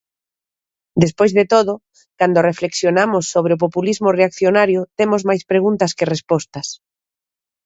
Despois de todo, cando reflexionamos sobre o populismo reaccionario temos máis preguntas que respostas.